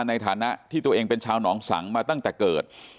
ในฐานะที่ตัวเองเป็นชาวหนองสังมาตั้งแต่เกิด